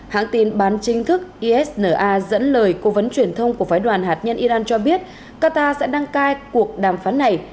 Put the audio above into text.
hãng tin bán chính thức isna dẫn lời cố vấn truyền thông của phái đoàn hạt nhân iran cho biết qatar sẽ đăng cai cuộc đàm phán này